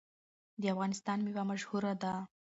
د افغانستان میوه مشهوره ده.